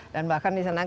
dan bahkan di sana